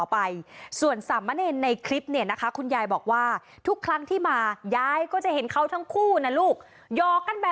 นี่คุณยายอันนี้ส่วนตัวนะคุณยายมองว่าเขาคงเป็นพี่น้องกันหรือเปล่า